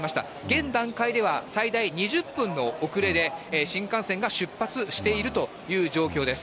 現段階では、最大２０分の遅れで新幹線が出発しているという状況です。